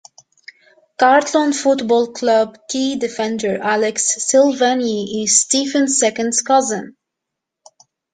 Carlton Football Club key defender Alex Silvagni is Stephen's second cousin.